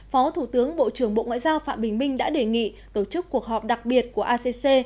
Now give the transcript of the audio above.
phó thủ tướng bộ trưởng bộ ngoại giao phạm bình minh đã đề nghị tổ chức cuộc họp đặc biệt của acc